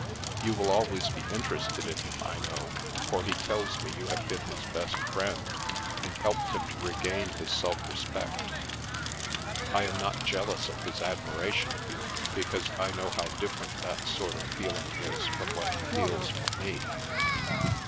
You will always be interested in him, I know, for he tells me you have been his best friend, and helped him to regain his self respect. I am not jealous of his admira tion of you, because I know how different that sort of feeling is from what he feels for me.